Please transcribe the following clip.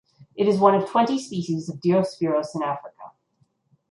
It is one of twenty species of "Diospyros" in Africa.